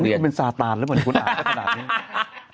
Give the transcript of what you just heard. อันนี้คุณเป็นซาตานหรือเปล่าคุณอ่านขนาดนี้